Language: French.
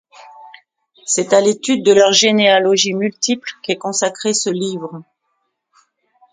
C'est à l'étude de leurs généalogies multiples qu'est consacré ce livre.